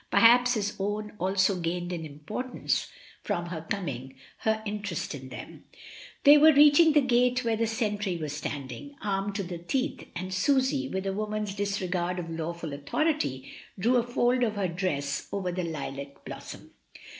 Perhaps his own also gained in importance from her coming, her interest in them. They were reaching the gate where the sentry was standing, armed to the teeth, and Susy, with a woman's disregard of lawful authority, drew a fold of her dress over the lilac blossom.